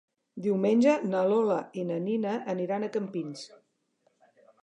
Diumenge na Lola i na Nina aniran a Campins.